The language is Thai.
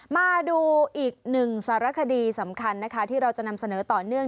มาดูอีกหนึ่งสารคดีสำคัญนะคะที่เราจะนำเสนอต่อเนื่อง